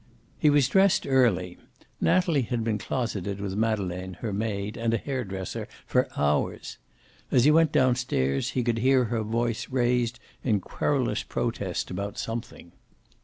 He was dressed early. Natalie had been closeted with Madeleine, her maid, and a hair dresser, for hours. As he went down stairs he could hear her voice raised in querulous protest about something.